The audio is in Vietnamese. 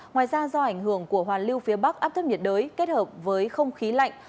ngoài ra do ảnh hưởng của hoàn lưu phía bắc áp thấp nhiệt đới kết hợp với không khí lạnh